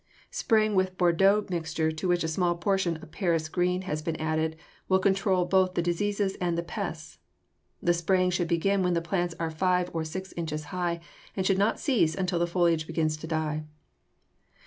Spraying with Bordeaux mixture to which a small portion of Paris green has been added will control both the diseases and the pests. The spraying should begin when the plants are five or six inches high and should not cease until the foliage begins to die.